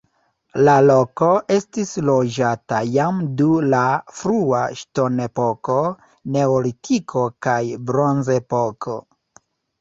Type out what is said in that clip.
La loko estis loĝata jam dum la frua ŝtonepoko, neolitiko kaj bronzepoko.